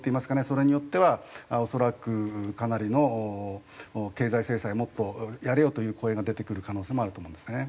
それによっては恐らくかなりの「経済制裁もっとやれよ」という声が出てくる可能性もあると思うんですね。